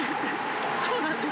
そうなんです。